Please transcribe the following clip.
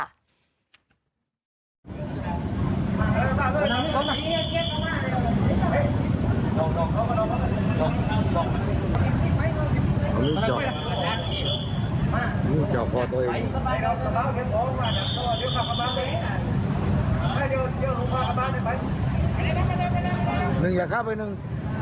เดี๋ยวผมพากับบ้านให้ไปไปเร็วหนึ่งอย่าข้าวไปหนึ่ง